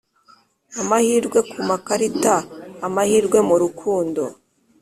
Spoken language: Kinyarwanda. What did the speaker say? amahirwe ku makarita, amahirwe mu rukundo